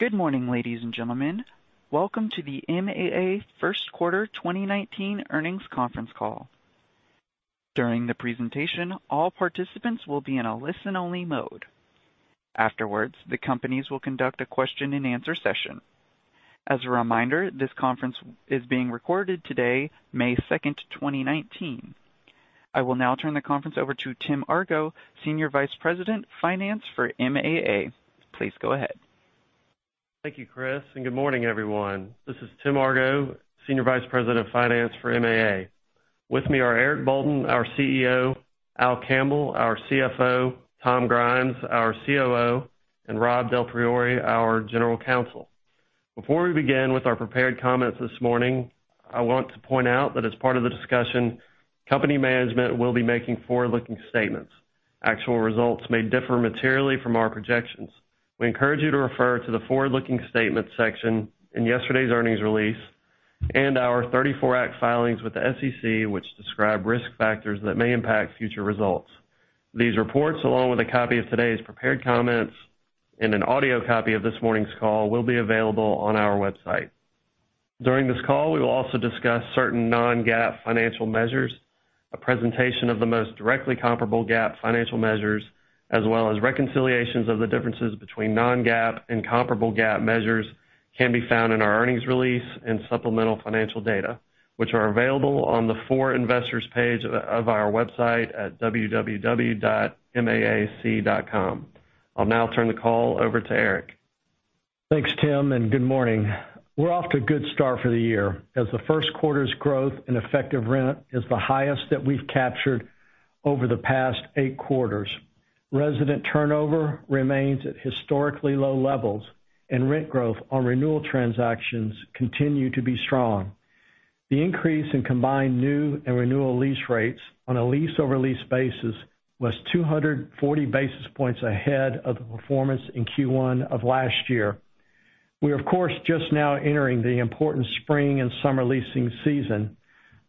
Good morning, ladies and gentlemen. Welcome to the MAA First Quarter 2019 Earnings Conference Call. During the presentation, all participants will be in a listen-only mode. Afterwards, the companies will conduct a question and answer session. As a reminder, this conference is being recorded today, May 2nd, 2019. I will now turn the conference over to Timothy Argo, Senior Vice President, Finance for MAA. Please go ahead. Thank you, Chris. Good morning, everyone. This is Tim Argo, Senior Vice President of Finance for MAA. With me are Eric Bolton, our CEO, Al Campbell, our CFO, Tom Grimes, our COO, and Rob DelPriore, our General Counsel. Before we begin with our prepared comments this morning, I want to point out that as part of the discussion, company management will be making forward-looking statements. Actual results may differ materially from our projections. We encourage you to refer to the forward-looking statements section in yesterday's earnings release and our 34 Act filings with the SEC, which describe risk factors that may impact future results. These reports, along with a copy of today's prepared comments and an audio copy of this morning's call, will be available on our website. During this call, we will also discuss certain non-GAAP financial measures. A presentation of the most directly comparable GAAP financial measures, as well as reconciliations of the differences between non-GAAP and comparable GAAP measures, can be found in our earnings release and supplemental financial data, which are available on the For Investors page of our website at www.maac.com. I'll now turn the call over to Eric. Thanks, Tim. Good morning. We're off to a good start for the year, as the first quarter's growth and effective rent is the highest that we've captured over the past eight quarters. Resident turnover remains at historically low levels, and rent growth on renewal transactions continue to be strong. The increase in combined new and renewal lease rates on a lease-over-lease basis was 240 basis points ahead of the performance in Q1 of last year. We're, of course, just now entering the important spring and summer leasing season.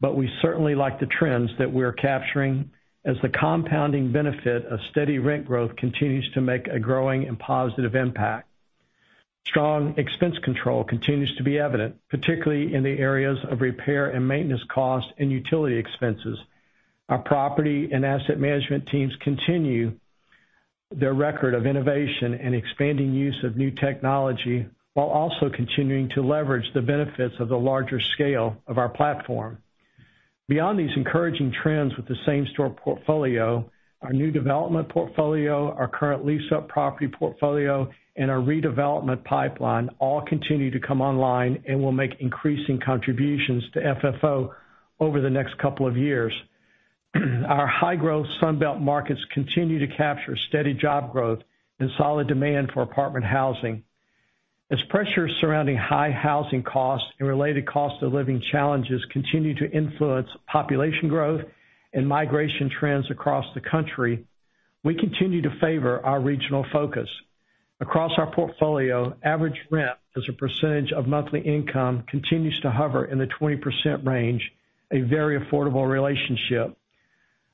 We certainly like the trends that we're capturing as the compounding benefit of steady rent growth continues to make a growing and positive impact. Strong expense control continues to be evident, particularly in the areas of repair and maintenance cost and utility expenses. Our property and asset management teams continue their record of innovation and expanding use of new technology while also continuing to leverage the benefits of the larger scale of our platform. Beyond these encouraging trends with the same store portfolio, our new development portfolio, our current lease-up property portfolio, and our redevelopment pipeline all continue to come online and will make increasing contributions to FFO over the next couple of years. Our high-growth Sun Belt markets continue to capture steady job growth and solid demand for apartment housing. As pressures surrounding high housing costs and related cost of living challenges continue to influence population growth and migration trends across the country, we continue to favor our regional focus. Across our portfolio, average rent as a percentage of monthly income continues to hover in the 20% range, a very affordable relationship.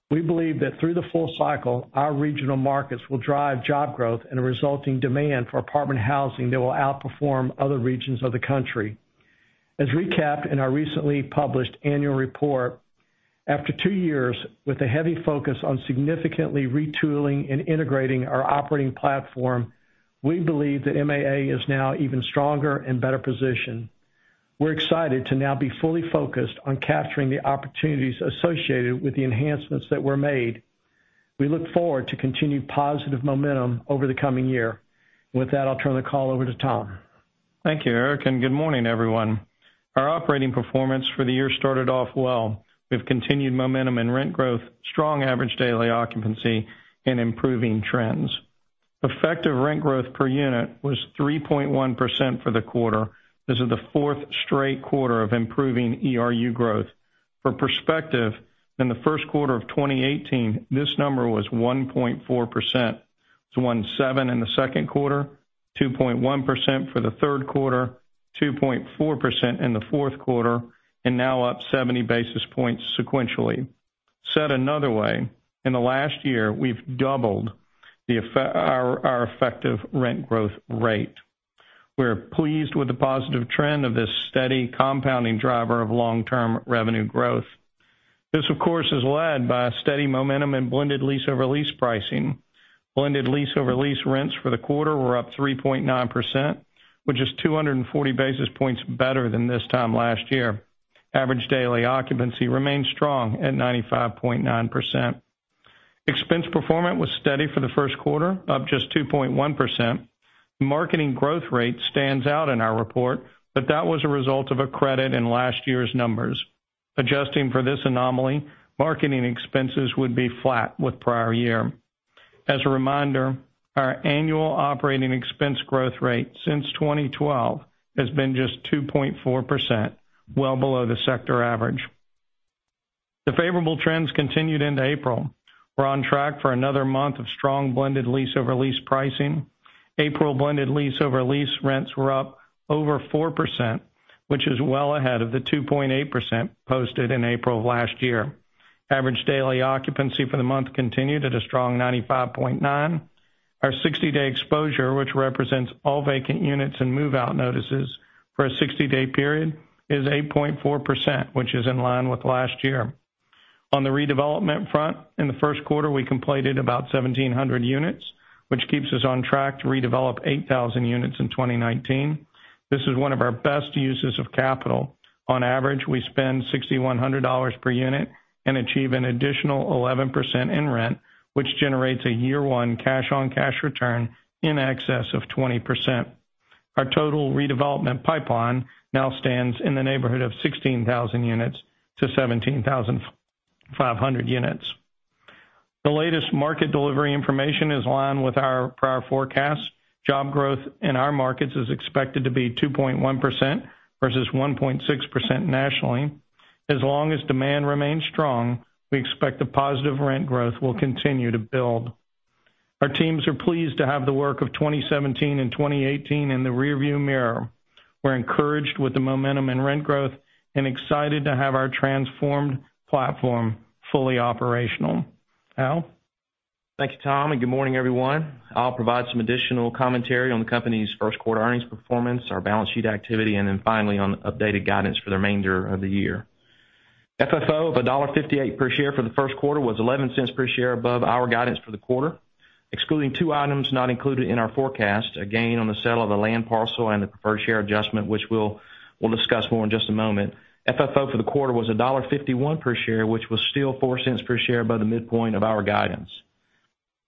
We believe that through the full cycle, our regional markets will drive job growth and a resulting demand for apartment housing that will outperform other regions of the country. As recapped in our recently published annual report, after two years with a heavy focus on significantly retooling and integrating our operating platform, we believe that MAA is now even stronger and better positioned. We're excited to now be fully focused on capturing the opportunities associated with the enhancements that were made. We look forward to continued positive momentum over the coming year. With that, I'll turn the call over to Tom. Thank you, Eric, and good morning, everyone. Our operating performance for the year started off well. We've continued momentum and rent growth, strong average daily occupancy, and improving trends. Effective rent growth per unit was 3.1% for the quarter. This is the fourth straight quarter of improving ERU growth. For perspective, in the first quarter of 2018, this number was 1.4%. It's 1.7% in the second quarter, 2.1% for the third quarter, 2.4% in the fourth quarter, and now up 70 basis points sequentially. Said another way, in the last year, we've doubled our effective rent growth rate. We're pleased with the positive trend of this steady compounding driver of long-term revenue growth. This, of course, is led by a steady momentum in blended lease-over-lease pricing. Blended lease-over-lease rents for the quarter were up 3.9%, which is 240 basis points better than this time last year. Average daily occupancy remains strong at 95.9%. Expense performance was steady for the first quarter, up just 2.1%. Marketing growth rate stands out in our report, but that was a result of a credit in last year's numbers. Adjusting for this anomaly, marketing expenses would be flat with prior year. As a reminder, our annual operating expense growth rate since 2012 has been just 2.4%, well below the sector average. The favorable trends continued into April. We're on track for another month of strong blended lease-over-lease pricing. April blended lease-over-lease rents were up over 4%, which is well ahead of the 2.8% posted in April of last year. Average daily occupancy for the month continued at a strong 95.9%. Our 60-day exposure, which represents all vacant units and move-out notices for a 60-day period, is 8.4%, which is in line with last year. On the redevelopment front, in the first quarter, we completed about 1,700 units, which keeps us on track to redevelop 8,000 units in 2019. This is one of our best uses of capital. On average, we spend $6,100 per unit and achieve an additional 11% in rent, which generates a year one cash-on-cash return in excess of 20%. Our total redevelopment pipeline now stands in the neighborhood of 16,000-17,500 units. The latest market delivery information is in line with our prior forecast. Job growth in our markets is expected to be 2.1% versus 1.6% nationally. As long as demand remains strong, we expect the positive rent growth will continue to build. Our teams are pleased to have the work of 2017 and 2018 in the rearview mirror. We're encouraged with the momentum and rent growth and excited to have our transformed platform fully operational. Al? Thank you, Tom, and good morning, everyone. I'll provide some additional commentary on the company's first quarter earnings performance, our balance sheet activity, and then finally on updated guidance for the remainder of the year. FFO of $1.58 per share for the first quarter was $0.11 per share above our guidance for the quarter. Excluding two items not included in our forecast, a gain on the sale of a land parcel and the preferred share adjustment, which we'll discuss more in just a moment. FFO for the quarter was $1.51 per share, which was still $0.04 per share above the midpoint of our guidance.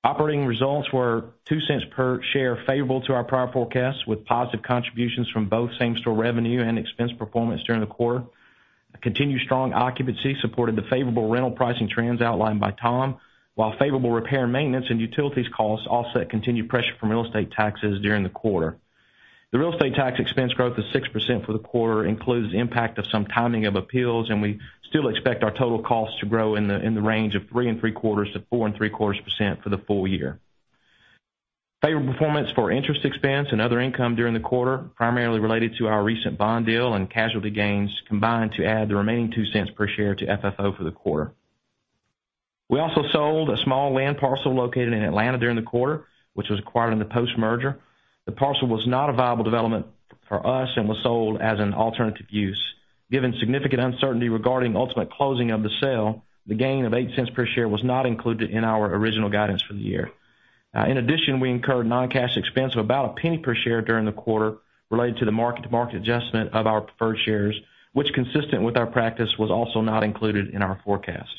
Operating results were $0.02 per share favorable to our prior forecast, with positive contributions from both same-store revenue and expense performance during the quarter. A continued strong occupancy supported the favorable rental pricing trends outlined by Tom, while favorable repair and maintenance and utilities costs offset continued pressure from real estate taxes during the quarter. The real estate tax expense growth of 6% for the quarter includes the impact of some timing of appeals, and we still expect our total costs to grow in the range of 3.75%-4.75% for the full year. Favorable performance for interest expense and other income during the quarter, primarily related to our recent bond deal and casualty gains, combined to add the remaining $0.02 per share to FFO for the quarter. We also sold a small land parcel located in Atlanta during the quarter, which was acquired in the Post-merger. The parcel was not a viable development for us and was sold as an alternative use. Given significant uncertainty regarding ultimate closing of the sale, the gain of $0.08 per share was not included in our original guidance for the year. In addition, we incurred non-cash expense of about $0.01 per share during the quarter related to the mark-to-market adjustment of our preferred shares, which, consistent with our practice, was also not included in our forecast.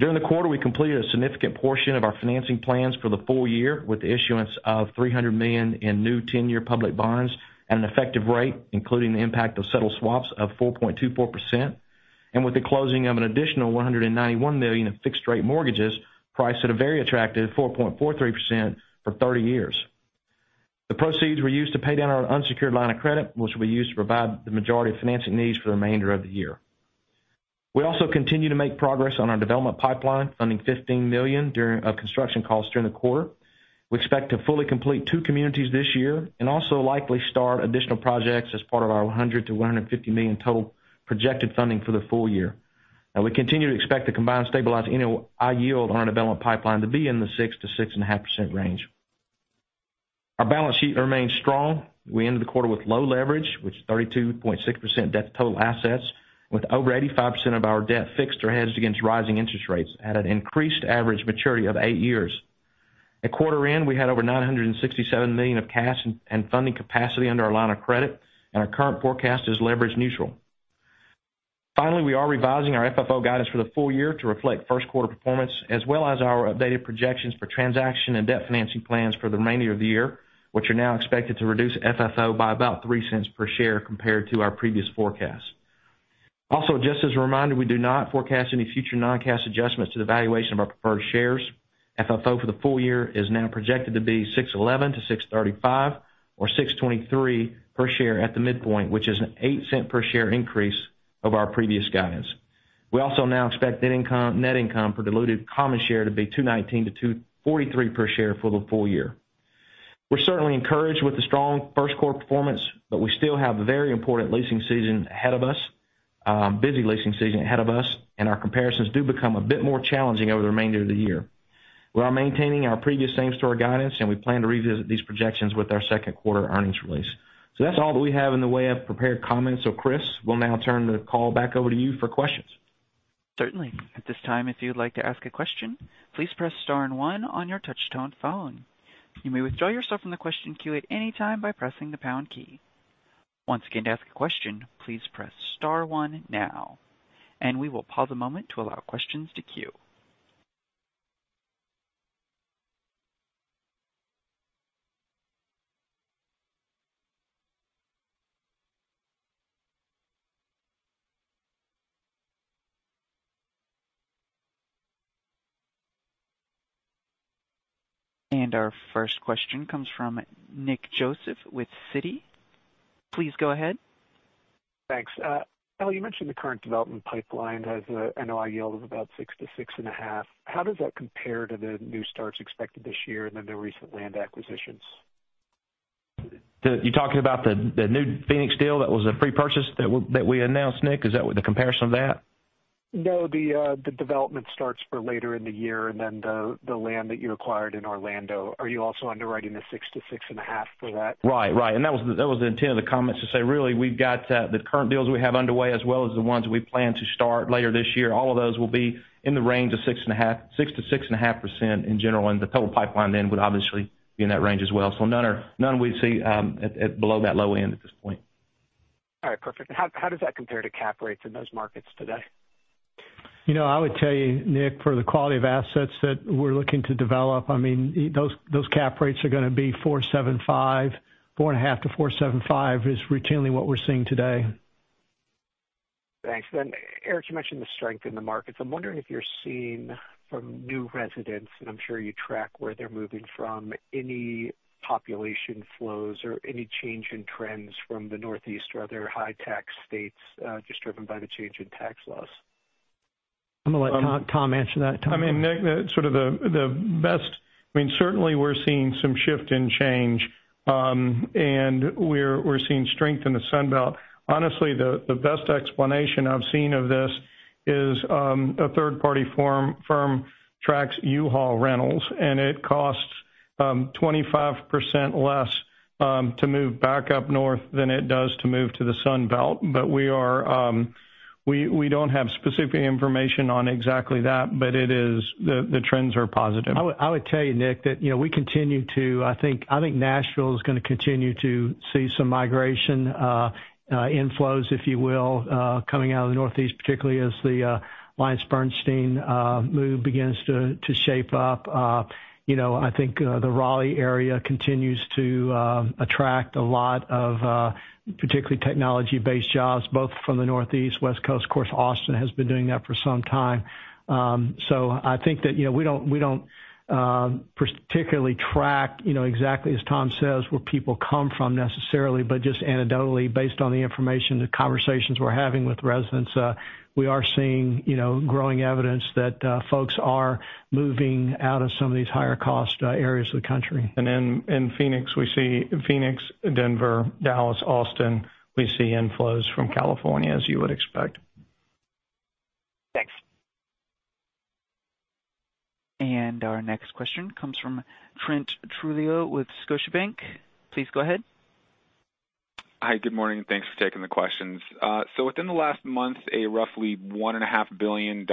During the quarter, we completed a significant portion of our financing plans for the full year with the issuance of $300 million in new 10-year public bonds at an effective rate, including the impact of settled swaps of 4.24%, and with the closing of an additional $191 million of fixed-rate mortgages priced at a very attractive 4.43% for 30 years. The proceeds were used to pay down our unsecured line of credit, which will be used to provide the majority of financing needs for the remainder of the year. We continue to make progress on our development pipeline, funding $15 million of construction costs during the quarter. We expect to fully complete two communities this year and also likely start additional projects as part of our $100 million-$150 million total projected funding for the full year. We continue to expect the combined stabilized NOI yield on our development pipeline to be in the 6%-6.5% range. Our balance sheet remains strong. We ended the quarter with low leverage with 32.6% debt to total assets with over 85% of our debt fixed or hedged against rising interest rates at an increased average maturity of eight years. At quarter end, we had over $967 million of cash and funding capacity under our line of credit. Our current forecast is leverage neutral. We are revising our FFO guidance for the full year to reflect first quarter performance, as well as our updated projections for transaction and debt financing plans for the remainder of the year, which are now expected to reduce FFO by about $0.03 per share compared to our previous forecast. Just as a reminder, we do not forecast any future non-cash adjustments to the valuation of our preferred shares. FFO for the full year is now projected to be $6.11-$6.35 or $6.23 per share at the midpoint, which is an $0.08 per share increase of our previous guidance. We now expect net income per diluted common share to be $2.19-$2.43 per share for the full year. We're certainly encouraged with the strong first quarter performance. We still have a very important leasing season ahead of us, a busy leasing season ahead of us. Our comparisons do become a bit more challenging over the remainder of the year. We are maintaining our previous same-store guidance. We plan to revisit these projections with our second quarter earnings release. That's all that we have in the way of prepared comments. Chris, we'll now turn the call back over to you for questions. Certainly. At this time, if you'd like to ask a question, please press star and one on your touch-tone phone. You may withdraw yourself from the question queue at any time by pressing the pound key. Once again, to ask a question, please press star one now. We will pause a moment to allow questions to queue. Our first question comes from Nicholas Joseph with Citi. Please go ahead. Thanks. Al, you mentioned the current development pipeline has an NOI yield of about 6%-6.5%. How does that compare to the new starts expected this year and the recent land acquisitions? You're talking about the new Phoenix deal that was a pre-purchase that we announced, Nick? Is that with the comparison of that? No, the development starts for later in the year, and then the land that you acquired in Orlando. Are you also underwriting the 6%-6.5% for that? Right. That was the intent of the comments to say, really, we've got the current deals we have underway as well as the ones we plan to start later this year. All of those will be in the range of 6%-6.5% in general, the total pipeline would obviously be in that range as well. None we see at below that low end at this point. All right, perfect. How does that compare to cap rates in those markets today? I would tell you, Nick, for the quality of assets that we're looking to develop, those cap rates are going to be 4.75%, 4.5%-4.75% is routinely what we're seeing today. Thanks. Eric, you mentioned the strength in the markets. I'm wondering if you're seeing from new residents, and I'm sure you track where they're moving from, any population flows or any change in trends from the Northeast or other high tax states, just driven by the change in tax laws. I'm going to let Tom answer that. Nick, certainly we're seeing some shift in change. We're seeing strength in the Sun Belt. Honestly, the best explanation I've seen of this is, a third-party firm tracks U-Haul rentals, and it costs 25% less to move back up north than it does to move to the Sun Belt. We don't have specific information on exactly that, but the trends are positive. I would tell you, Nick, that we continue to think Nashville is going to continue to see some migration inflows, if you will, coming out of the Northeast, particularly as the AllianceBernstein move begins to shape up. I think the Raleigh area continues to attract a lot of particularly technology-based jobs, both from the Northeast, West Coast. Of course, Austin has been doing that for some time. I think that we don't particularly track exactly, as Tom says, where people come from, necessarily, but just anecdotally, based on the information, the conversations we're having with residents, we are seeing growing evidence that folks are moving out of some of these higher cost areas of the country. In Phoenix, Denver, Dallas, Austin, we see inflows from California, as you would expect. Thanks. Our next question comes from Trent Trujillo with Scotiabank. Please go ahead. Hi, good morning. Thanks for taking the questions. Within the last month, a roughly $1.5 billion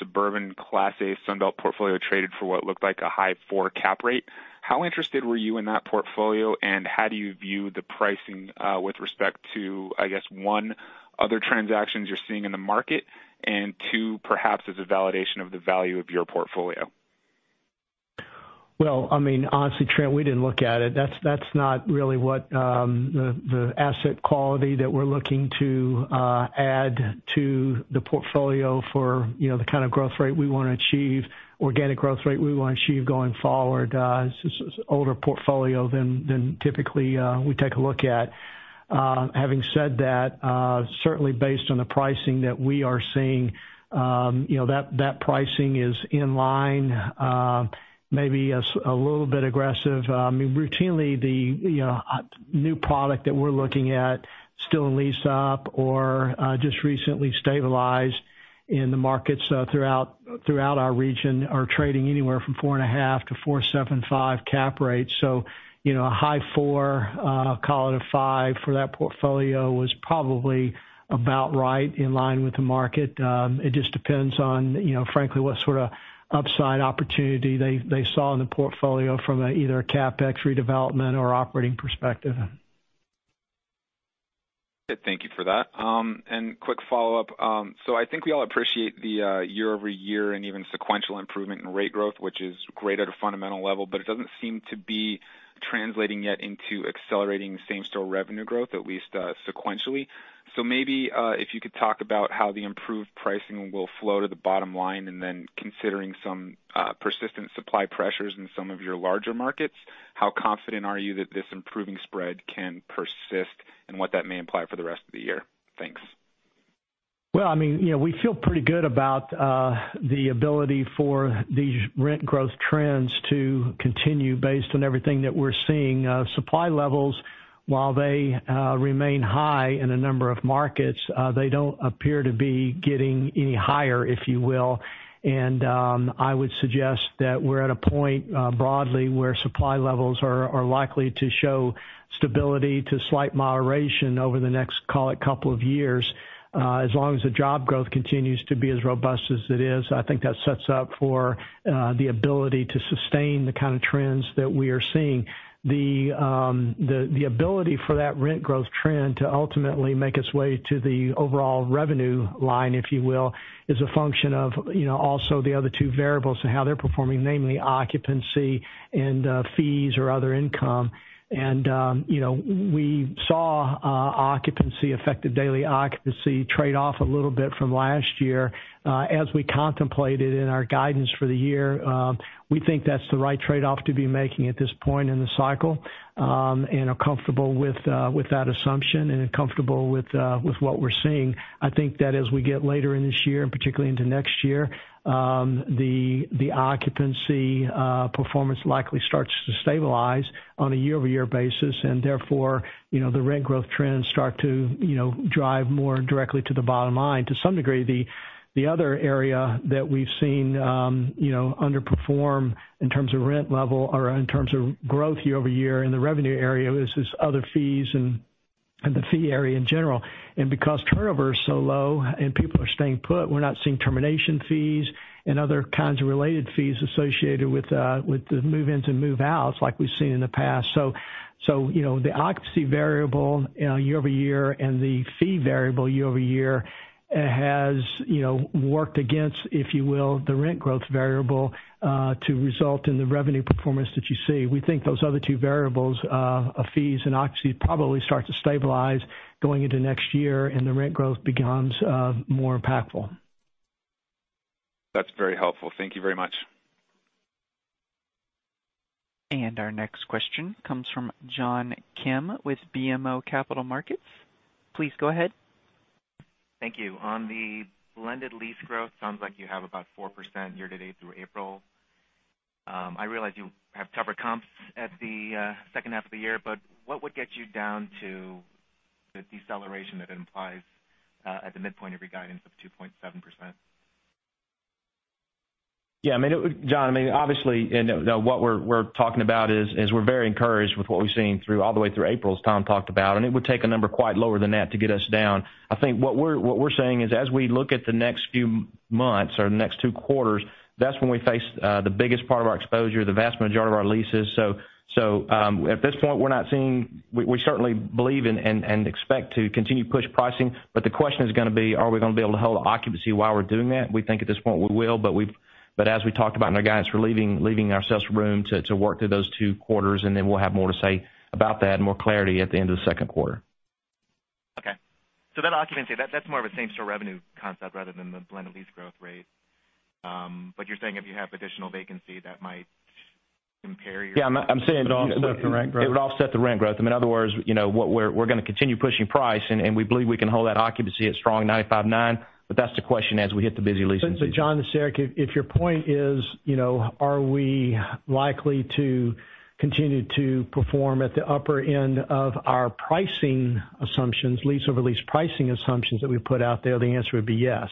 suburban Class A Sun Belt portfolio traded for what looked like a high four cap rate. How interested were you in that portfolio, and how do you view the pricing with respect to, I guess, one, other transactions you're seeing in the market, and two, perhaps as a validation of the value of your portfolio? Honestly, Trent, we didn't look at it. That's not really what the asset quality that we're looking to add to the portfolio for the kind of growth rate we want to achieve, organic growth rate we want to achieve going forward. This is older portfolio than typically we take a look at. Having said that, certainly based on the pricing that we are seeing, that pricing is in line, maybe a little bit aggressive. Routinely, the new product that we're looking at still in lease up or just recently stabilized in the markets throughout our region are trading anywhere from four and a half to 4.75 cap rates. A high four, call it a five for that portfolio was probably about right in line with the market. It just depends on, frankly, what sort of upside opportunity they saw in the portfolio from either a CapEx redevelopment or operating perspective. Thank you for that. Quick follow-up. I think we all appreciate the year-over-year and even sequential improvement in rate growth, which is great at a fundamental level, but it doesn't seem to be translating yet into accelerating same-store revenue growth, at least sequentially. Maybe if you could talk about how the improved pricing will flow to the bottom line, and then considering some persistent supply pressures in some of your larger markets, how confident are you that this improving spread can persist and what that may imply for the rest of the year? Thanks. We feel pretty good about the ability for these rent growth trends to continue based on everything that we're seeing. Supply levels, while they remain high in a number of markets, they don't appear to be getting any higher, if you will. I would suggest that we're at a point broadly where supply levels are likely to show stability to slight moderation over the next, call it, couple of years. As long as the job growth continues to be as robust as it is, I think that sets up for the ability to sustain the kind of trends that we are seeing. The ability for that rent growth trend to ultimately make its way to the overall revenue line, if you will, is a function of also the other two variables and how they're performing, namely occupancy and fees or other income. We saw affected daily occupancy trade off a little bit from last year. As we contemplated in our guidance for the year, we think that's the right trade-off to be making at this point in the cycle, and are comfortable with that assumption and are comfortable with what we're seeing. I think that as we get later in this year, and particularly into next year, the occupancy performance likely starts to stabilize on a year-over-year basis, and therefore, the rent growth trends start to drive more directly to the bottom line. To some degree, the other area that we've seen underperform in terms of rent level or in terms of growth year-over-year in the revenue area is other fees and the fee area in general. Because turnover is so low and people are staying put, we're not seeing termination fees and other kinds of related fees associated with the move-ins and move-outs like we've seen in the past. The occupancy variable year-over-year and the fee variable year-over-year has worked against, if you will, the rent growth variable, to result in the revenue performance that you see. We think those other two variables of fees and occupancy probably start to stabilize going into next year, and the rent growth becomes more impactful. That's very helpful. Thank you very much. Our next question comes from John Kim with BMO Capital Markets. Please go ahead. Thank you. On the blended lease growth, sounds like you have about 4% year-to-date through April. I realize you have tougher comps at the second half of the year, but what would get you down to the deceleration that it implies, at the midpoint of your guidance of 2.7%? John, obviously, what we're talking about is we're very encouraged with what we've seen all the way through April, as Tom talked about, it would take a number quite lower than that to get us down. I think what we're saying is as we look at the next few months or the next two quarters, that's when we face the biggest part of our exposure, the vast majority of our leases. At this point, we certainly believe and expect to continue to push pricing. The question is going to be, are we going to be able to hold occupancy while we're doing that? We think at this point we will, as we talked about in our guidance, we're leaving ourselves room to work through those two quarters, and then we'll have more to say about that and more clarity at the end of the second quarter. Okay. Occupancy, that's more of a same-store revenue concept rather than the blended lease growth rate. You're saying if you have additional vacancy, that might impair your- Yeah. I'm saying- It would offset the rent growth. It would offset the rent growth. In other words, we're going to continue pushing price, and we believe we can hold that occupancy at strong 95.9. That's the question as we hit the busy leasing season. John, if your point is, are we likely to continue to perform at the upper end of our pricing assumptions, lease-over-lease pricing assumptions that we put out there? The answer would be yes.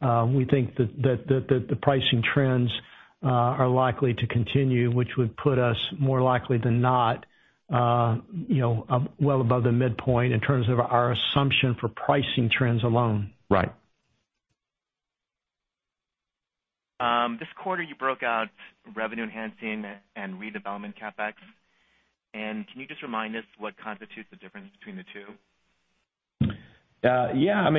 We think that the pricing trends are likely to continue, which would put us more likely than not, well above the midpoint in terms of our assumption for pricing trends alone. Right. This quarter, you broke out revenue enhancing and redevelopment CapEx. Can you just remind us what constitutes the difference between the two? Yeah.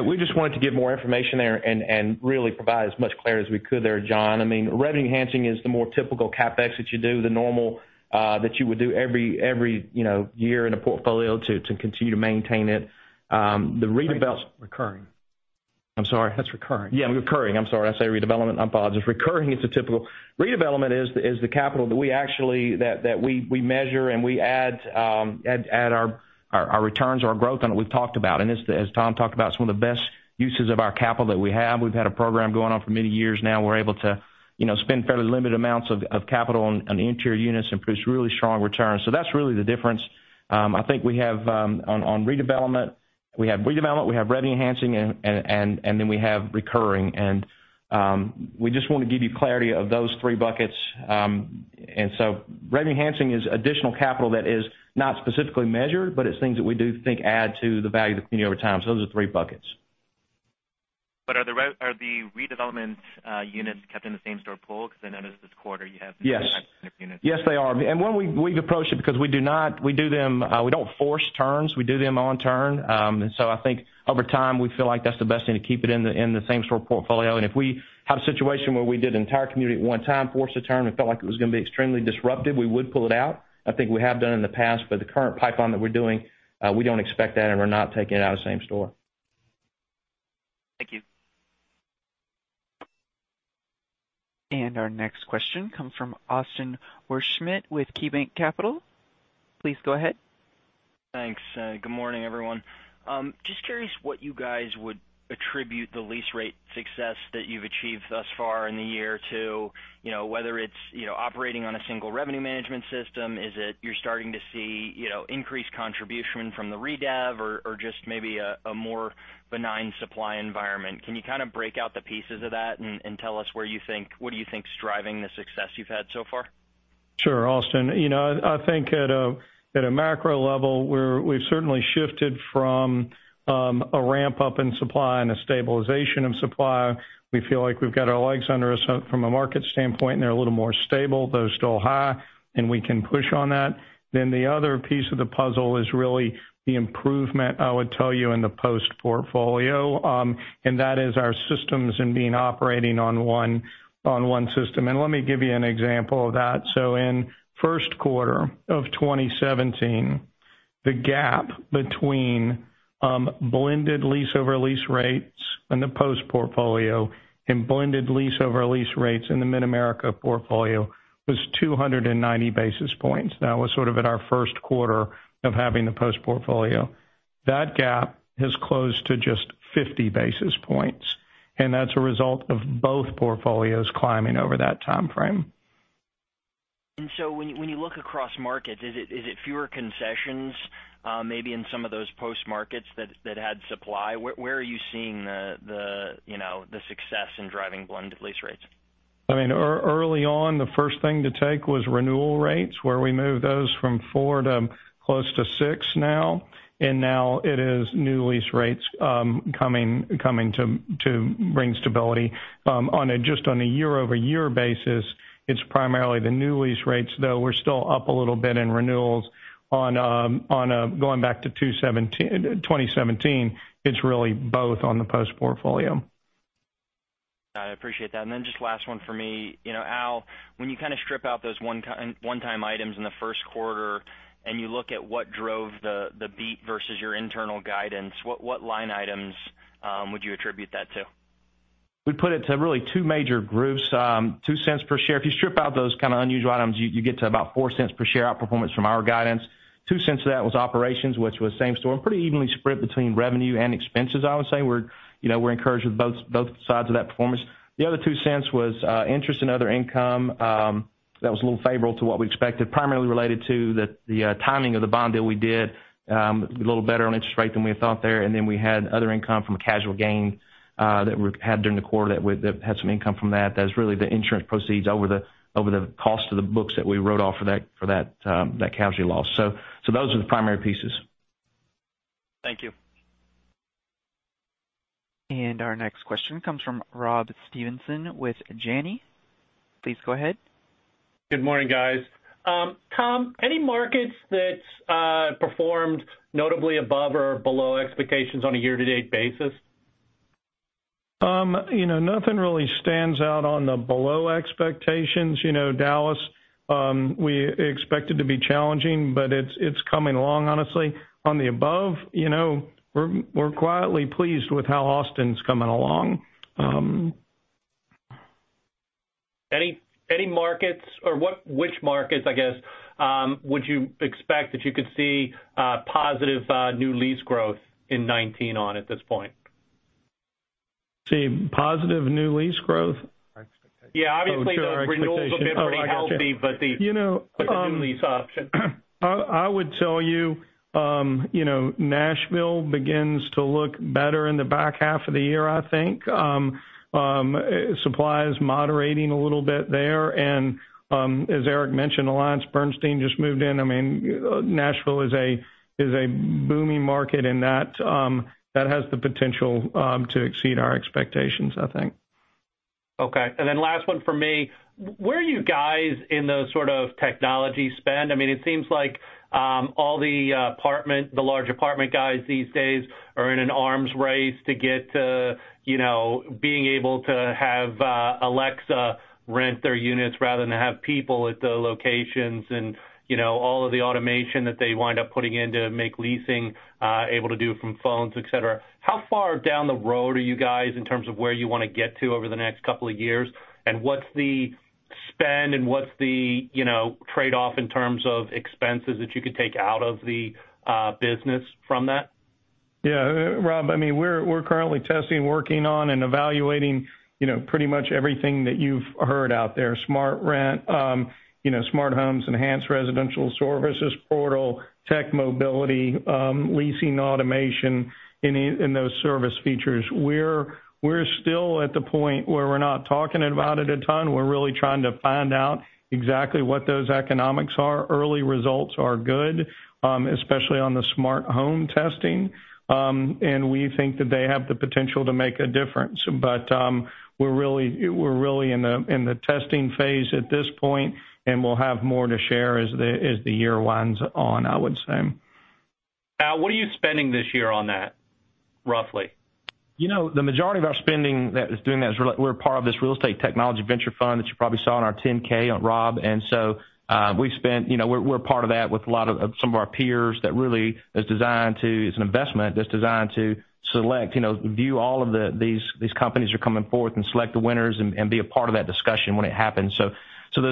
We just wanted to give more information there and really provide as much clarity as we could there, John. Revenue enhancing is the more typical CapEx that you do, the normal that you would do every year in a portfolio to continue to maintain it. Recurring. I'm sorry? That's recurring. Yeah, recurring. I'm sorry. I say redevelopment. I apologize. Recurring is the typical. Redevelopment is the capital that we measure and we add our returns, our growth on it. We've talked about. As Tom talked about, it's one of the best uses of our capital that we have. We've had a program going on for many years now. We're able to spend fairly limited amounts of capital on interior units and produce really strong returns. That's really the difference. On redevelopment, we have redevelopment, we have revenue enhancing, then we have recurring. We just want to give you clarity of those three buckets. Revenue enhancing is additional capital that is not specifically measured, but it's things that we do think add to the value of the community over time. Those are the three buckets. Are the redevelopment units kept in the same store pool? Because I noticed this quarter you have units. Yes, they are. We've approached it because we don't force turns. We do them on turn. I think over time, we feel like that's the best thing to keep it in the same store portfolio. If we have a situation where we did an entire community at one time, forced a turn, we felt like it was going to be extremely disruptive, we would pull it out. I think we have done in the past. The current pipeline that we're doing, we don't expect that, and we're not taking it out of same store. Thank you. Our next question comes from Austin Wurschmidt with KeyBanc Capital. Please go ahead. Thanks. Good morning, everyone. Just curious what you guys would attribute the lease rate success that you've achieved thus far in the year to, whether it's operating on a single revenue management system, is it you're starting to see increased contribution from the redev, or just maybe a more benign supply environment. Can you kind of break out the pieces of that and tell us what do you think's driving the success you've had so far? Sure, Austin. I think at a macro level, we've certainly shifted from a ramp-up in supply and a stabilization of supply. We feel like we've got our legs under us from a market standpoint, and they're a little more stable, though still high, and we can push on that. The other piece of the puzzle is really the improvement, I would tell you, in the Post portfolio. That is our systems and being operating on one system. Let me give you an example of that. In first quarter of 2017, the gap between blended lease-over-lease rates in the Post portfolio and blended lease-over-lease rates in the Mid-America portfolio was 290 basis points. That was sort of at our first quarter of having the Post portfolio. That gap has closed to just 50 basis points, and that's a result of both portfolios climbing over that timeframe. When you look across markets, is it fewer concessions, maybe in some of those Post markets that had supply? Where are you seeing the success in driving blended lease rates? I mean, early on, the first thing to take was renewal rates, where we moved those from four to close to six now. Now it is new lease rates coming to bring stability. Just on a year-over-year basis, it's primarily the new lease rates, though we're still up a little bit in renewals going back to 2017. It's really both on the Post portfolio. I appreciate that. Just last one for me. Al, when you kind of strip out those one-time items in the first quarter, and you look at what drove the beat versus your internal guidance, what line items would you attribute that to? We would put it to really two major groups. $0.02 per share. If you strip out those kind of unusual items, you get to about $0.04 per share outperformance from our guidance. $0.02 of that was operations, which was same store, pretty evenly spread between revenue and expenses, I would say. We are encouraged with both sides of that performance. The other $0.02 was interest in other income. That was a little favorable to what we expected, primarily related to the timing of the bond deal we did. A little better on interest rate than we had thought there. We had other income from a casual gain that we had during the quarter that had some income from that. That was really the insurance proceeds over the cost of the books that we wrote off for that casualty loss. Those are the primary pieces. Thank you. Our next question comes from Rob Stevenson with Janney. Please go ahead. Good morning, guys. Tom, any markets that performed notably above or below expectations on a year-to-date basis? Nothing really stands out on the below expectations. Dallas, we expect it to be challenging, but it's coming along honestly. On the above, we're quietly pleased with how Austin's coming along. Any markets, or which markets, I guess, would you expect that you could see positive new lease growth in 2019 on at this point? See positive new lease growth? Yeah, obviously the renewals have been pretty healthy. You know. new lease option. I would tell you, Nashville begins to look better in the back half of the year, I think. Supply is moderating a little bit there, as Eric mentioned, AllianceBernstein just moved in. Nashville is a booming market, and that has the potential to exceed our expectations, I think. Okay. Last one for me. Where are you guys in the sort of technology spend? It seems like all the large apartment guys these days are in an arms race to get to being able to have Alexa rent their units rather than have people at the locations, and all of the automation that they wind up putting in to make leasing able to do from phones, et cetera. How far down the road are you guys in terms of where you want to get to over the next couple of years, and what's the spend and what's the trade-off in terms of expenses that you could take out of the business from that? Yeah, Rob, we're currently testing, working on, and evaluating pretty much everything that you've heard out there. SmartRent, smart homes, enhanced residential services portal, tech mobility, leasing automation in those service features. We're still at the point where we're not talking about it a ton. We're really trying to find out exactly what those economics are. Early results are good, especially on the smart home testing. We think that they have the potential to make a difference. We're really in the testing phase at this point, and we'll have more to share as the year winds on, I would say. Al, what are you spending this year on that, roughly? The majority of our spending that is doing that is we're a part of this real estate technology venture fund that you probably saw in our 10-K, Rob. We're a part of that with some of our peers that really is an investment that's designed to view all of these companies that are coming forth and select the winners and be a part of that discussion when it happens.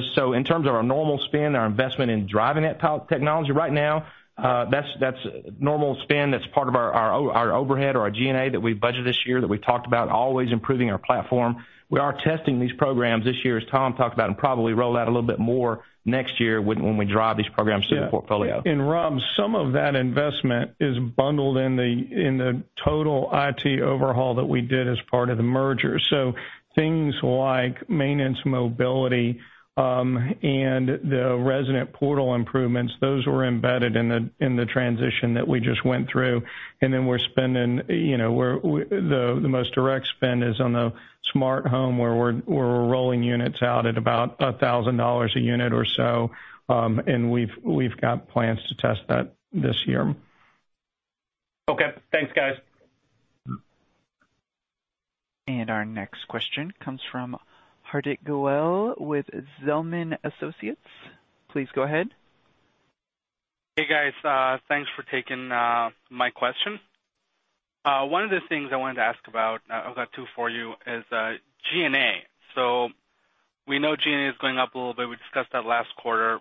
In terms of our normal spend, our investment in driving that technology right now, that's normal spend. That's part of our overhead or our G&A that we've budgeted this year, that we've talked about, always improving our platform. We are testing these programs this year, as Tom talked about, and probably roll out a little bit more next year when we drive these programs through the portfolio. Yeah. Rob, some of that investment is bundled in the total IT overhaul that we did as part of the merger. Things like maintenance mobility, and the resident portal improvements, those were embedded in the transition that we just went through. The most direct spend is on the smart home, where we're rolling units out at about $1,000 a unit or so. We've got plans to test that this year. Okay. Thanks, guys. Our next question comes from Hardik Goel with Zelman & Associates. Please go ahead. Hey, guys. Thanks for taking my question. One of the things I wanted to ask about, I've got two for you, is G&A. We know G&A is going up a little bit. We discussed that last quarter.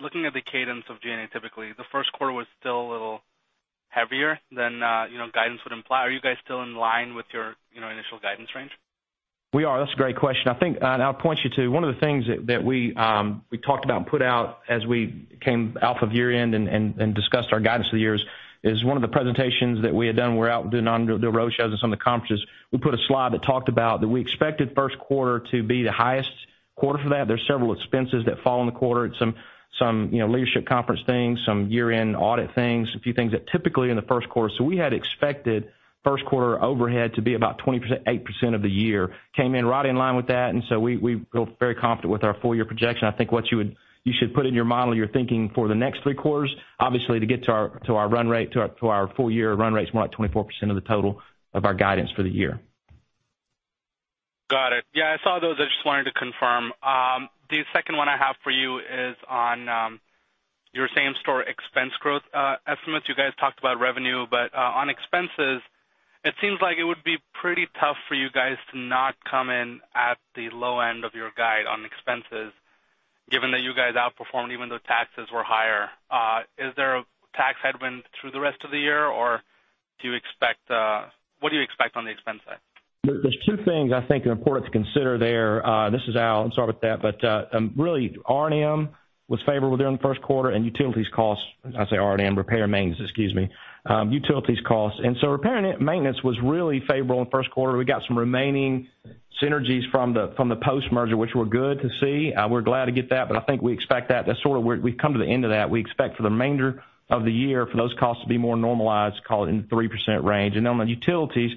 Looking at the cadence of G&A typically, the first quarter was still a little heavier than guidance would imply. Are you guys still in line with your initial guidance range? We are. That's a great question. I'll point you to one of the things that we talked about and put out as we came out of year-end and discussed our guidance for the year is one of the presentations that we had done. We were out doing roadshows and some of the conferences. We put a slide that talked about that we expected first quarter to be the highest. quarter for that. There's several expenses that fall in the quarter. It's some leadership conference things, some year-end audit things, a few things that typically in the first quarter. We had expected first quarter overhead to be about 28% of the year. Came in right in line with that, and so we feel very confident with our full-year projection. I think what you should put in your model, you're thinking for the next three quarters, obviously, to get to our full-year run rate's more like 24% of the total of our guidance for the year. Got it. Yeah, I saw those. I just wanted to confirm. The second one I have for you is on your same-store expense growth estimates. You guys talked about revenue, but on expenses, it seems like it would be pretty tough for you guys to not come in at the low end of your guide on expenses, given that you guys outperformed even though taxes were higher. Is there a tax headwind through the rest of the year, or what do you expect on the expense side? There's two things I think are important to consider there. This is Al. I'll start with that. Really, R&M was favorable during the first quarter, and utilities costs. I say R&M, repair and maintenance, excuse me. Utilities costs. Repair and maintenance was really favorable in the first quarter. We got some remaining synergies from the post-merger, which were good to see. We're glad to get that, but I think we expect that. We've come to the end of that. We expect for the remainder of the year for those costs to be more normalized, call it in the 3% range. On the utilities,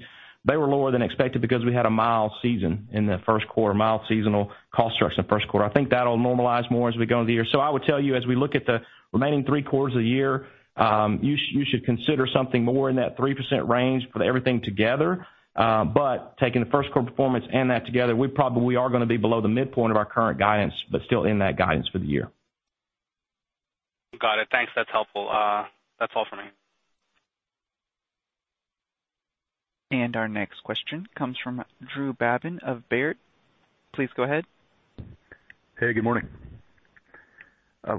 they were lower than expected because we had a mild season in the first quarter, mild seasonal cost structure in the first quarter. I think that'll normalize more as we go into the year. I would tell you, as we look at the remaining three quarters of the year, you should consider something more in that 3% range for everything together. Taking the first quarter performance and that together, we probably are going to be below the midpoint of our current guidance, but still in that guidance for the year. Got it. Thanks. That's helpful. That's all for me. Our next question comes from Drew Babin of Baird. Please go ahead. Hey, good morning. Good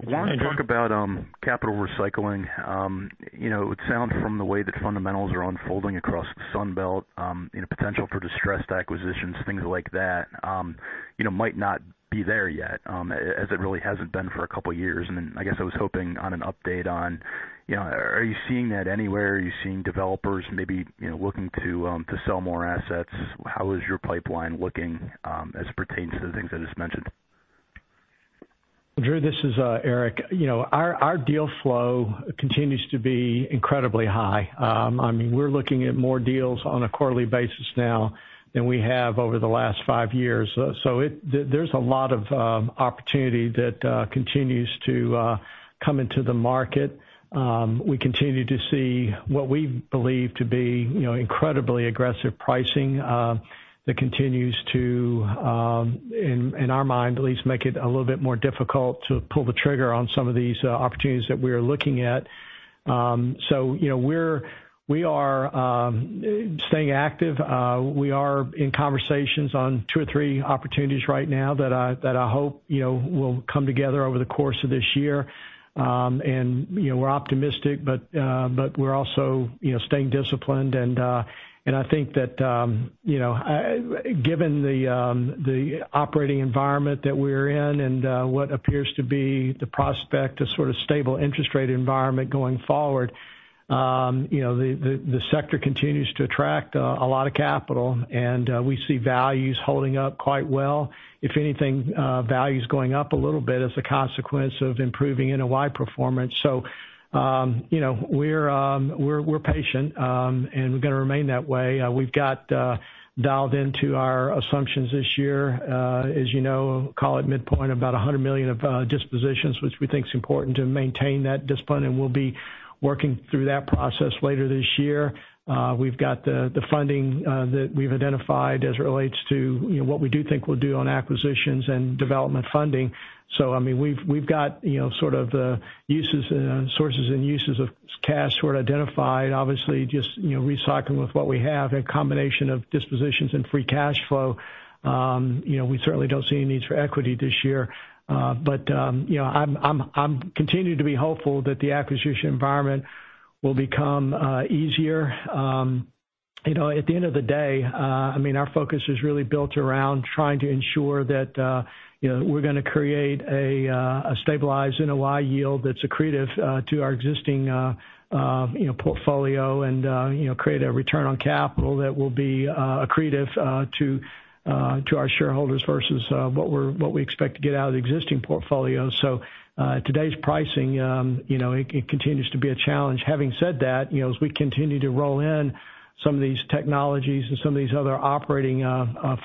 morning. Wanted to talk about capital recycling. It sounds from the way that fundamentals are unfolding across Sunbelt, potential for distressed acquisitions, things like that, might not be there yet, as it really has not been for a couple of years. I guess I was hoping on an update on, are you seeing that anywhere? Are you seeing developers maybe looking to sell more assets? How is your pipeline looking as it pertains to the things I just mentioned? Drew, this is Eric. Our deal flow continues to be incredibly high. We are looking at more deals on a quarterly basis now than we have over the last five years. There is a lot of opportunity that continues to come into the market. We continue to see what we believe to be incredibly aggressive pricing that continues to, in our mind at least, make it a little bit more difficult to pull the trigger on some of these opportunities that we are looking at. We are staying active. We are in conversations on two or three opportunities right now that I hope will come together over the course of this year. We are optimistic, but we are also staying disciplined, and I think that given the operating environment that we are in and what appears to be the prospect of sort of stable interest rate environment going forward, the sector continues to attract a lot of capital, and we see values holding up quite well. If anything, value is going up a little bit as a consequence of improving NOI performance. We are patient, and we are going to remain that way. We have got dialed into our assumptions this year, as you know, call it midpoint, about $100 million of dispositions, which we think is important to maintain that discipline, and we will be working through that process later this year. We have got the funding that we have identified as it relates to what we do think we will do on acquisitions and development funding. We have got sort of sources and uses of cash sort of identified. Obviously, just recycling with what we have, a combination of dispositions and free cash flow. We certainly do not see any needs for equity this year. I am continuing to be hopeful that the acquisition environment will become easier. At the end of the day, our focus is really built around trying to ensure that we are going to create a stabilized NOI yield that is accretive to our existing portfolio and create a return on capital that will be accretive to our shareholders versus what we expect to get out of the existing portfolio. Today's pricing, it continues to be a challenge. Having said that, as we continue to roll in some of these technologies and some of these other operating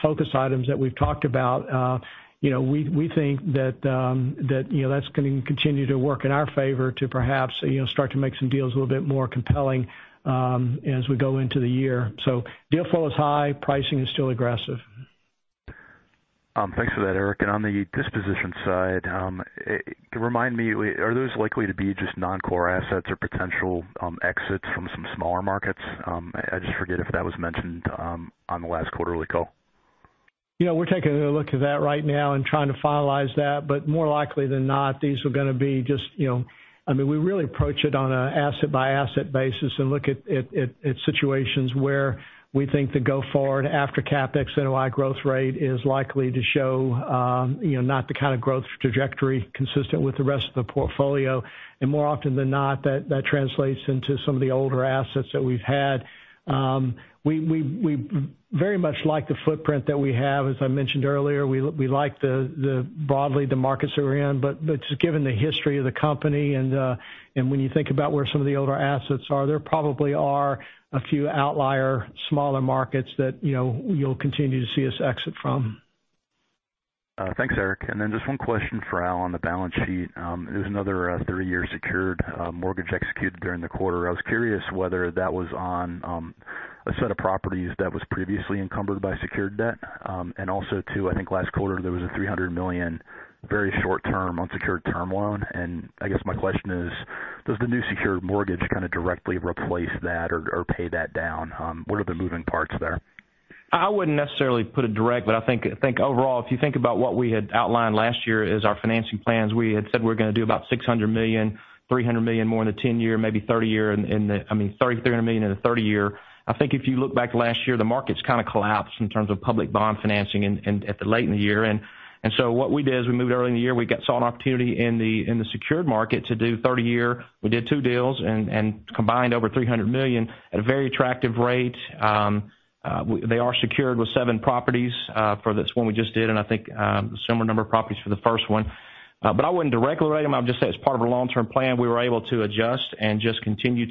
focus items that we've talked about, we think that's going to continue to work in our favor to perhaps start to make some deals a little bit more compelling as we go into the year. Deal flow is high, pricing is still aggressive. Thanks for that, Eric. On the disposition side, remind me, are those likely to be just non-core assets or potential exits from some smaller markets? I just forget if that was mentioned on the last quarterly call. We're taking a look at that right now and trying to finalize that. More likely than not, these are going to be We really approach it on an asset-by-asset basis and look at situations where we think the go forward after CapEx NOI growth rate is likely to show not the kind of growth trajectory consistent with the rest of the portfolio. More often than not, that translates into some of the older assets that we've had. We very much like the footprint that we have. As I mentioned earlier, we like broadly the markets that we're in, but just given the history of the company and when you think about where some of the older assets are, there probably are a few outlier smaller markets that you'll continue to see us exit from. Thanks, Eric. Then just one question for Al on the balance sheet. There's another three-year secured mortgage executed during the quarter. I was curious whether that was on a set of properties that was previously encumbered by secured debt. Also too, I think last quarter, there was a $300 million very short-term unsecured term loan. I guess my question is, does the new secured mortgage kind of directly replace that or pay that down? What are the moving parts there? I wouldn't necessarily put it direct, but I think overall, if you think about what we had outlined last year as our financing plans, we had said we're going to do about $600 million, $300 million more in the 10-year, maybe 30-year in the I mean, $300 million in the 30-year. I think if you look back last year, the markets kind of collapsed in terms of public bond financing and at the late in the year. What we did is we moved early in the year. We saw an opportunity in the secured market to do 30-year. We did two deals and combined over $300 million at a very attractive rate. They are secured with seven properties, for this one we just did, and I think similar number of properties for the first one. I wouldn't directly relate them. I'd just say it's part of our long-term plan. We were able to adjust and just continue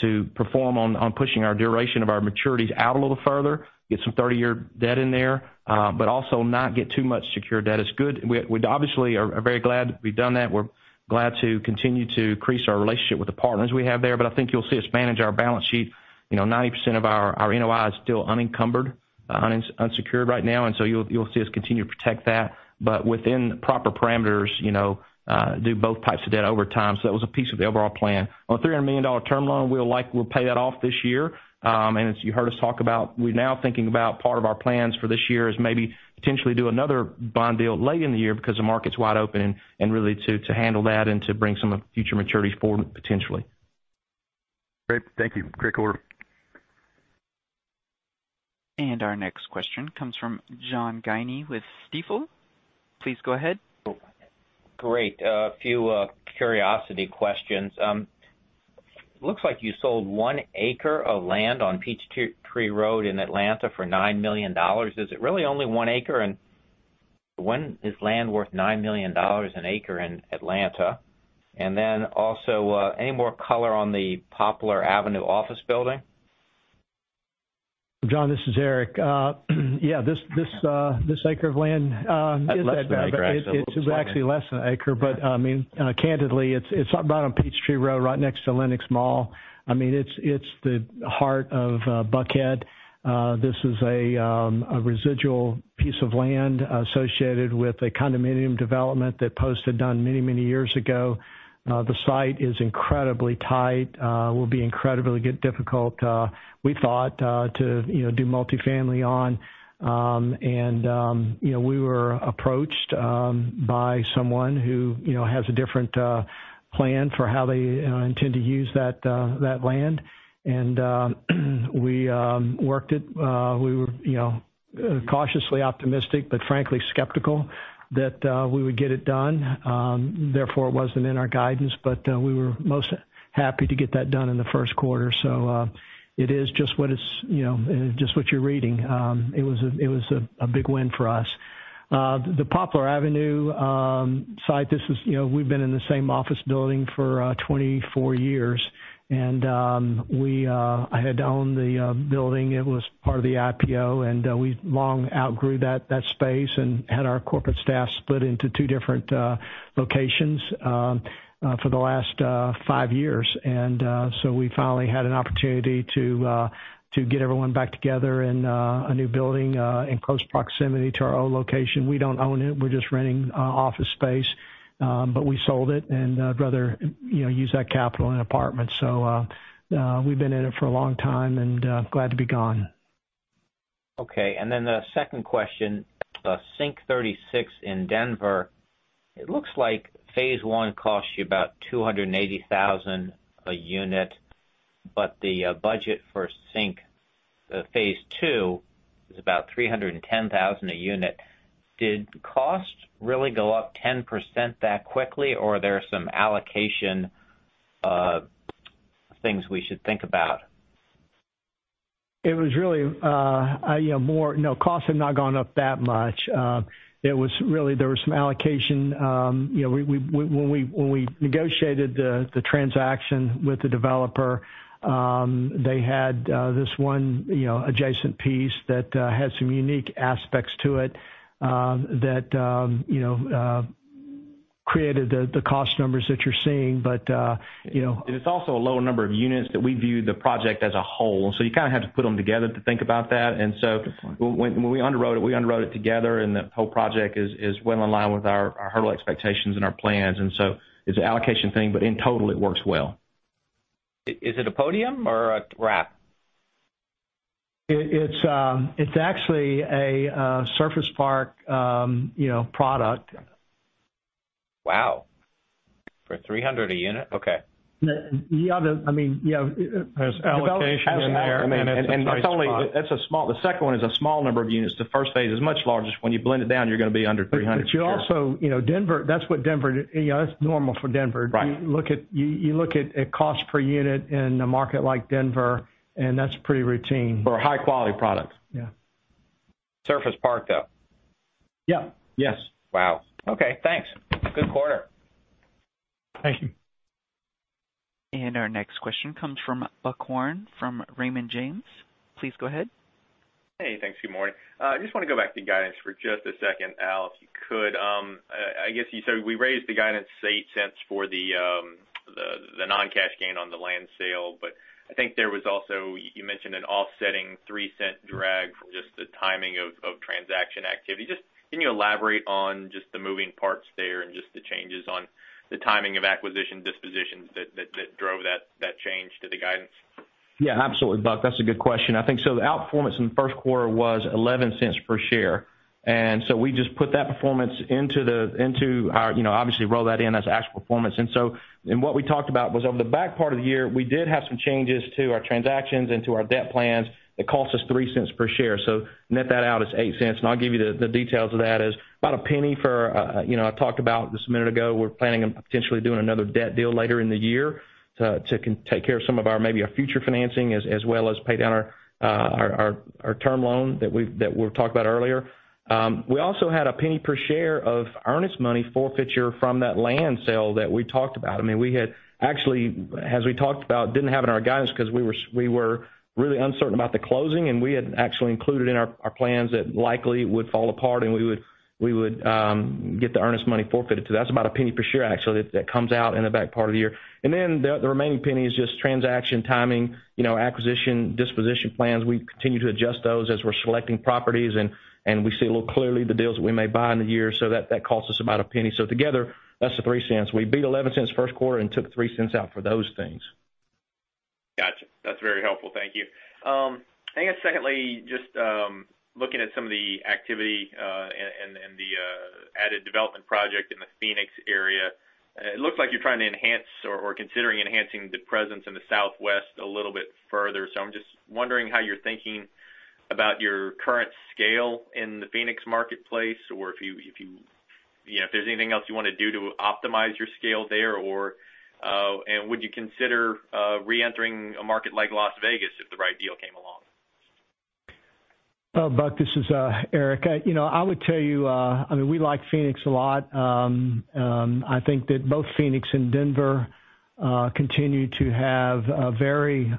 to perform on pushing our duration of our maturities out a little further, get some 30-year debt in there, but also not get too much secured debt is good. We obviously are very glad we've done that. We're glad to continue to increase our relationship with the partners we have there. I think you'll see us manage our balance sheet. 90% of our NOI is still unencumbered, unsecured right now, you'll see us continue to protect that, but within the proper parameters, do both types of debt over time. That was a piece of the overall plan. On the $300 million term loan, we'll likely pay that off this year. As you heard us talk about, we're now thinking about part of our plans for this year is maybe potentially do another bond deal late in the year because the market's wide open and really to handle that and to bring some of the future maturities forward potentially. Great. Thank you. Great quarter. Our next question comes from John Guinee with Stifel. Please go ahead. Great. A few curiosity questions. Looks like you sold one acre of land on Peachtree Road in Atlanta for $9 million. Is it really only one acre? When is land worth $9 million an acre in Atlanta? Also, any more color on the Poplar Avenue office building? John, this is Eric. Yeah, this acre of land- That's less than an acre, actually. It's actually less than an acre. Candidly, it's right on Peachtree Road, right next to Lenox Mall. It's the heart of Buckhead. This is a residual piece of land associated with a condominium development that Post had done many, many years ago. The site is incredibly tight, will be incredibly difficult, we thought, to do multifamily on. We were approached by someone who has a different plan for how they intend to use that land. We worked it. We were cautiously optimistic, but frankly skeptical that we would get it done. Therefore, it wasn't in our guidance, but we were most happy to get that done in the first quarter. It is just what you're reading. It was a big win for us. The Poplar Avenue site, we've been in the same office building for 24 years. I had owned the building. It was part of the IPO. We long outgrew that space and had our corporate staff split into two different locations for the last five years. We finally had an opportunity to get everyone back together in a new building in close proximity to our old location. We don't own it. We're just renting office space. We sold it, and I'd rather use that capital in apartments. We've been in it for a long time, and glad to be gone. Okay. The second question, Sync 36 in Denver. It looks like phase 1 cost you about $280,000 a unit, but the budget for Sync phase 2 is about $310,000 a unit. Did costs really go up 10% that quickly, or are there some allocation things we should think about? No, costs have not gone up that much. There was some allocation. When we negotiated the transaction with the developer, they had this one adjacent piece that had some unique aspects to it that created the cost numbers that you're seeing. It's also a lower number of units, but we viewed the project as a whole, so you kind of have to put them together to think about that. Good point When we underwrote it, we underwrote it together, and the whole project is well in line with our hurdle expectations and our plans. It's an allocation thing, but in total, it works well. Is it a podium or a wrap? It's actually a surface park product. Wow. For $300 a unit? Okay. There's allocation in there. The second one is a small number of units. The first phase is much larger. When you blend it down, you're going to be under $300. You also, That's normal for Denver. Right. You look at cost per unit in a market like Denver, and that's pretty routine. For a high-quality product. Yeah. Surface park, though. Yeah. Yes. Wow. Okay. Thanks. Good quarter. Thank you. Our next question comes from Buck Horne from Raymond James. Please go ahead. Hey, thanks. Good morning. I just want to go back to guidance for just a second, Al, if you could. I guess you said we raised the guidance $0.08 for the non-cash gain on the land sale. I think there was also, you mentioned an offsetting $0.03 drag from just the timing of transaction activity. Can you elaborate on just the moving parts there and just the changes on the timing of acquisition dispositions that drove that change to the guidance? Absolutely, Buck. That's a good question. The outperformance in the first quarter was $0.11 per share. We just put that performance into our-- obviously roll that in as actual performance. What we talked about was over the back part of the year, we did have some changes to our transactions and to our debt plans that cost us $0.03 per share. Net that out, it's $0.08, and I'll give you the details of that is about $0.01 for, I talked about this a minute ago, we're planning on potentially doing another debt deal later in the year to take care of some of our maybe our future financing, as well as pay down our term loan that we talked about earlier. We also had $0.01 per share of earnest money forfeiture from that land sale that we talked about. As we talked about, didn't have it in our guidance because we were really uncertain about the closing, and we had actually included in our plans that likely it would fall apart, and we would get the earnest money forfeited. That's about $0.01 per share, actually, that comes out in the back part of the year. The remaining $0.01 is just transaction timing, acquisition, disposition plans. We continue to adjust those as we're selecting properties, and we see a little clearly the deals that we may buy in the year. That cost us about $0.01. Together, that's the $0.03. We beat $0.11 first quarter and took $0.03 out for those things. Gotcha. That's very helpful. Thank you. Secondly, just looking at some of the activity and the added development project in the Phoenix area. It looks like you're trying to enhance or considering enhancing the presence in the Southwest a little bit further. I'm just wondering how you're thinking about your current scale in the Phoenix marketplace, or if there's anything else you want to do to optimize your scale there, or would you consider reentering a market like Las Vegas if the right deal came along? Buck, this is Eric. I would tell you, we like Phoenix a lot. I think that both Phoenix and Denver continue to have a very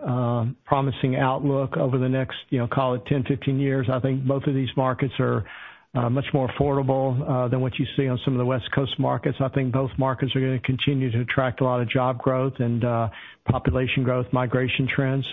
promising outlook over the next, call it 10, 15 years. I think both of these markets are much more affordable than what you see on some of the West Coast markets. I think both markets are going to continue to attract a lot of job growth and population growth, migration trends.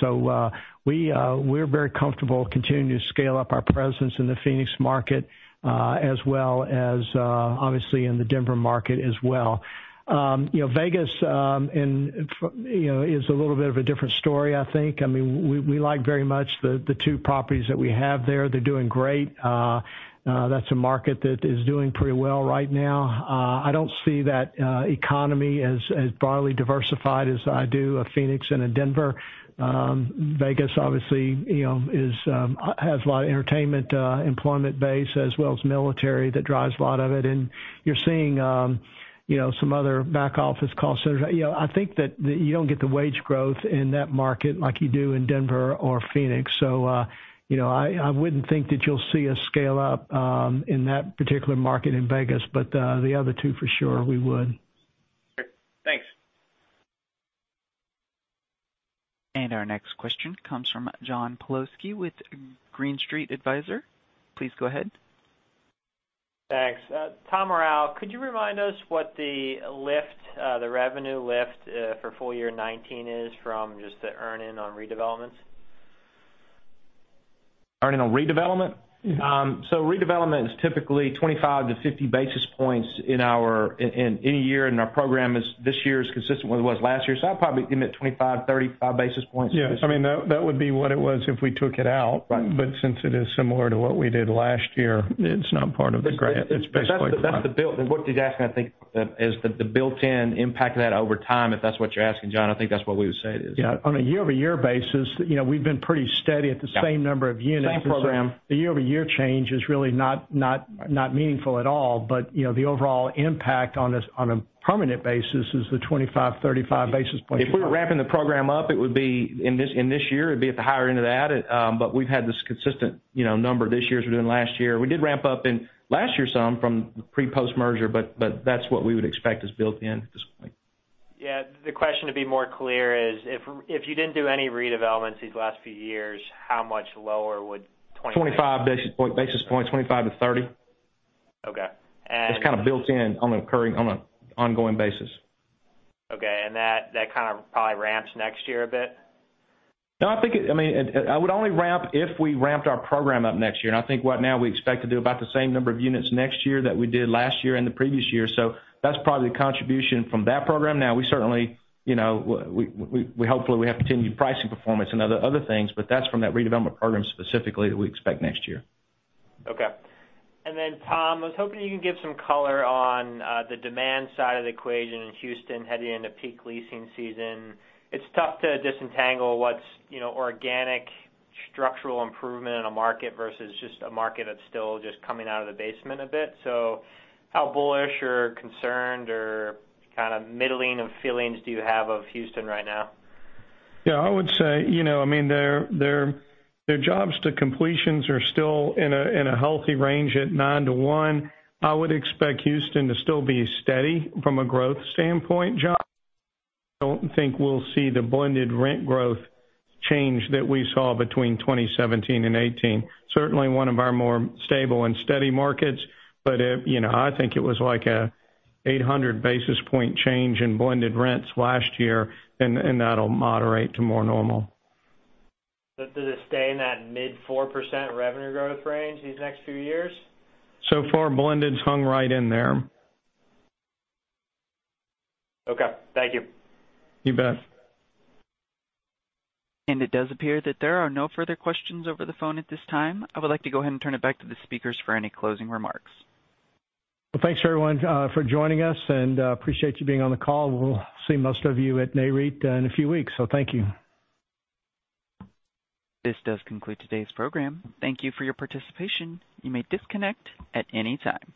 We're very comfortable continuing to scale up our presence in the Phoenix market as well as obviously in the Denver market as well. Vegas is a little bit of a different story, I think. We like very much the two properties that we have there. They're doing great. That's a market that is doing pretty well right now. I don't see that economy as broadly diversified as I do a Phoenix and a Denver. Vegas obviously has a lot of entertainment employment base as well as military that drives a lot of it, and you're seeing some other back office call centers. I think that you don't get the wage growth in that market like you do in Denver or Phoenix. I wouldn't think that you'll see us scale up in that particular market in Vegas, but the other two for sure, we would. Sure. Thanks. Our next question comes from John Pawlowski with Green Street Advisors. Please go ahead. Thanks. Tom or Al, could you remind us what the revenue lift for full year 2019 is from just the earn-in on redevelopments? Earn-in on redevelopment? Redevelopment is typically 25 to 50 basis points in any year, our program this year is consistent with what it was last year. I'd probably admit 25, 35 basis points for this year. Yeah. That would be what it was if we took it out. Right. Since it is similar to what we did last year, it's not part of the graph. It's basically flat. What he's asking, I think, is the built-in impact of that over time, if that's what you're asking, John, I think that's what we would say it is. Yeah. On a year-over-year basis, we've been pretty steady at the same number of units. Yeah. Same program. The year-over-year change is really not meaningful at all, but the overall impact on a permanent basis is the 25-35 basis points. If we were wrapping the program up in this year, it'd be at the higher end of that. We've had this consistent number this year as we did last year. We did ramp up in last year some from pre-Post merger, that's what we would expect is built in at this point. Yeah. The question, to be more clear is, if you didn't do any redevelopments these last few years, how much lower would? 25 basis points. 25 to 30. Okay. That's kind of built in on an ongoing basis. Okay. That kind of probably ramps next year a bit? No. It would only ramp if we ramped our program up next year. I think right now we expect to do about the same number of units next year that we did last year and the previous year. That's probably the contribution from that program. We certainly, hopefully we have continued pricing performance and other things, but that's from that redevelopment program specifically that we expect next year. Tom, I was hoping you could give some color on the demand side of the equation in Houston heading into peak leasing season. It's tough to disentangle what's organic structural improvement in a market versus just a market that's still just coming out of the basement a bit. How bullish or concerned or kind of middling of feelings do you have of Houston right now? Yeah, I would say, their jobs to completions are still in a healthy range at 9:1. I would expect Houston to still be steady from a growth standpoint, John. I don't think we'll see the blended rent growth change that we saw between 2017 and 2018. Certainly one of our more stable and steady markets, but I think it was like a 800 basis point change in blended rents last year, and that'll moderate to more normal. Does it stay in that mid 4% revenue growth range these next few years? Far, blended's hung right in there. Okay. Thank you. You bet. It does appear that there are no further questions over the phone at this time. I would like to go ahead and turn it back to the speakers for any closing remarks. Well, thanks everyone for joining us, and appreciate you being on the call. We'll see most of you at Nareit in a few weeks, so thank you. This does conclude today's program. Thank you for your participation. You may disconnect at any time.